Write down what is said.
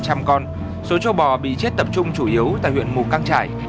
trong đó số châu bò bị chết tập trung chủ yếu tại huyện mù căng trải